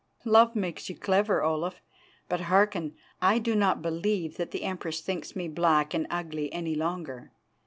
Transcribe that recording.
"Love makes you clever, Olaf. But hearken. I do not believe that the Empress thinks me black and ugly any longer.